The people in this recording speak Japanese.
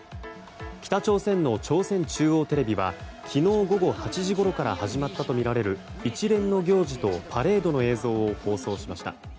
北朝鮮の朝鮮中央テレビは昨日午後８時ごろから始まったとみられる一連の行事とパレードの映像を放送しました。